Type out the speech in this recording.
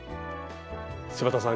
柴田さん